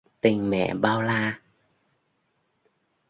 Tình mẹ bao la